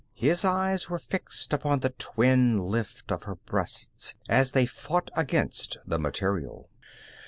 His eyes were fixed upon the twin lift of her breasts as they fought against the material.